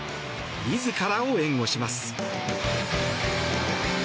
自らを援護します。